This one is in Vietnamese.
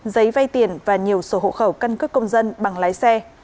giấy vay tiền và nhiều sổ hộ khẩu căn cước công dân bằng lái xe